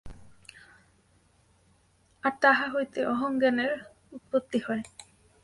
আর তাহা হইতে অহংজ্ঞানের উৎপত্তি হয়।